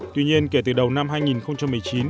tuy nhiên kể từ đầu năm hai nghìn một mươi chín